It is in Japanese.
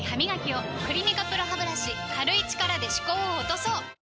「クリニカＰＲＯハブラシ」軽い力で歯垢を落とそう！